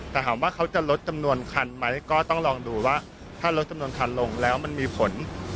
แต่ถามว่าเขาจะลดจำนวนคันไหมก็ต้องลองดูว่าถ้าลดจำนวนคันลงแล้วมันมีผล